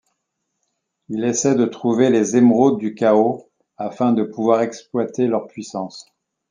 Il essaye de trouver les Émeraudes du Chaos afin de pouvoir exploiter leur puissance.